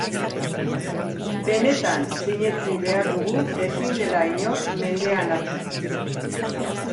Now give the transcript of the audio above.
Benetan sinetsi behar dugu ezin dela inor mendean hartu.